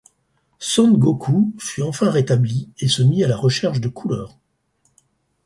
Son Goku fut enfin rétabli et se mit à la recherche de Cooler.